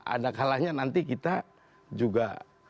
ada kalanya nanti kita juga